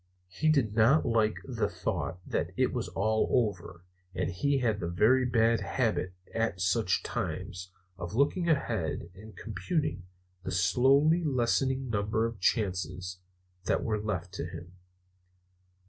He did not like the thought that it was all over; and he had the very bad habit, at such times, of looking ahead and computing the slowly lessening number of chances that were left to him.